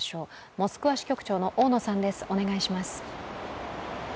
モスクワ支局長の大野さんです。